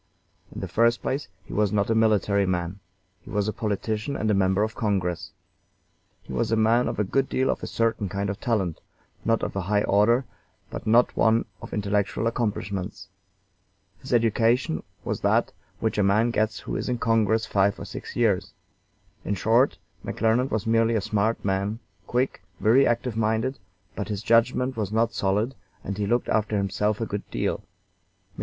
In the first place, he was not a military man; he was a politician and a member of Congress. He was a man of a good deal of a certain kind of talent, not of a high order, but not one of intellectual accomplishments. His education was that which a man gets who is in Congress five or six years. In short, McClernand was merely a smart man, quick, very active minded, but his judgment was not solid, and he looked after himself a good deal. Mr.